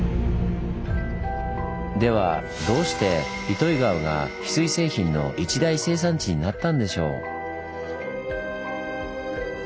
ではどうして糸魚川がヒスイ製品の一大生産地になったんでしょう？